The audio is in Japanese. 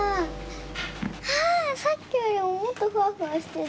ああさっきよりももっとふわふわしてる！